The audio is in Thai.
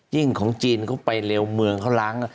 ของจีนเขาไปเร็วเมืองเขาล้าง